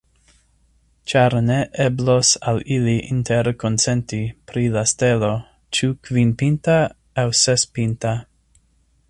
Ĉar ne eblos al ili interkonsenti pri la stelo, ĉu kvinpinta, ĉu sespinta.